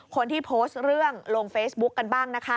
คนที่โพสต์เรื่องลงเฟซบุ๊คกันบ้างนะคะ